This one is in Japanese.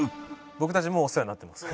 僕たちもお世話になってます。